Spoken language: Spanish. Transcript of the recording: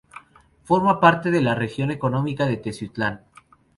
Forma parte de la región económica de Teziutlán.